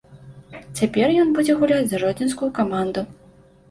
Цяпер ён будзе гуляць за жодзінскую каманду.